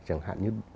chẳng hạn như